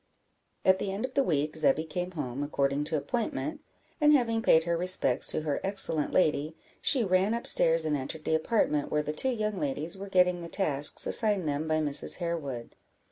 At the end of the week, Zebby came home, according to appointment; and having paid her respects to her excellent lady, she ran up stairs, and entered the apartment where the two young ladies were getting the tasks assigned them by Mrs. Harewood.